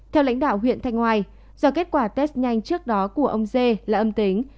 theo lãnh đạo huyện thành ngoài do kết quả test nhanh trước đó của ông d là âm tính